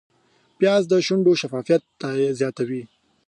پیاز د شونډو شفافیت زیاتوي